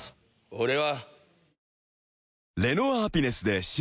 俺は。